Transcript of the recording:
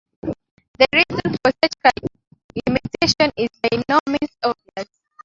The reason for such limitations is by no means obvious.